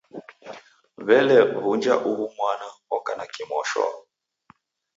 W'ele w'uja uhu mwana oka na kimosho?